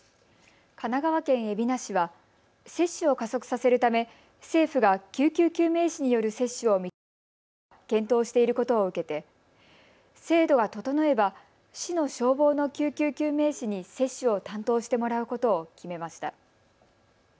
神奈川県海老名市は接種を加速させるため政府が救急救命士による接種を認められないか検討していることを受けて制度が整えば市の消防の緊急救命士に接種を担当してもらうことを決めました。